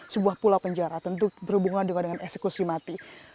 sebuah pulau penjara tentu berhubungan juga dengan eksekusi mati